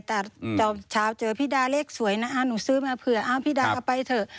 แต่เจอพี่ดาเลขสวยนะอ้าวหนูซื้อมาเผื่ออ้าวพี่ดาเอาไปเถอะ